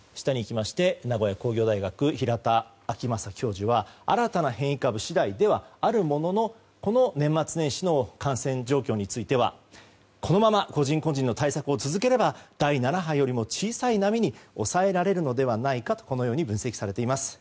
名古屋工業大学の平田晃正教授は新たな変異株次第ではあるもののこの年末年始の感染状況についてはこのまま個人の対策を続ければ第７波よりも小さい波に抑えられるのではないかと分析されています。